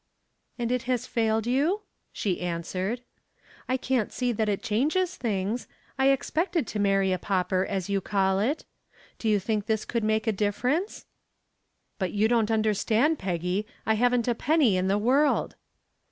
"And it has failed you?" she answered. "I can't see that it changes things. I expected to marry a pauper, as you call it. Do you think this could make a difference?" "But you don't understand, Peggy. I haven't a penny in the world."